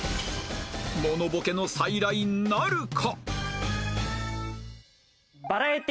モノボケの再来なるか？